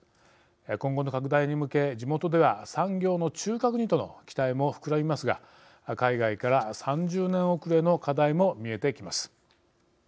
今後の拡大に向け地元では新たな産業の中核にとの期待も膨らみますが海外から３０年遅れの課題も見えてきます。